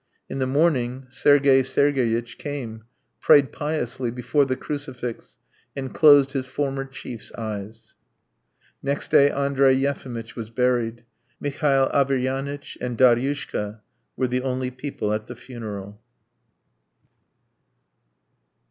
In the morning Sergey Sergeyitch came, prayed piously before the crucifix, and closed his former chief's eyes. Next day Andrey Yefimitch was buried. Mihail Averyanitch and Daryushka were the only people at the funeral.